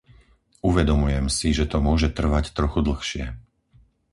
Uvedomujem si, že to môže trvať trochu dlhšie.